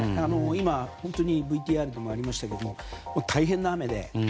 今、本当にＶＴＲでもありましたが大変な雨で。